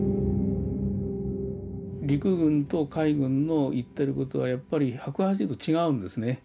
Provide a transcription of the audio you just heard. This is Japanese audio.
陸軍と海軍の言ってる事はやっぱり１８０度違うんですね。